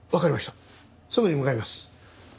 すぐに向かいます。